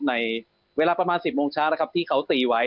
ในเวลาประมาณ๑๐โมงเช้านะครับที่เขาตีไว้